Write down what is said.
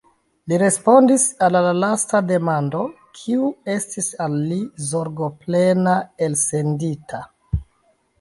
li respondis al la lasta demando, kiu estis al li zorgoplena elsendita.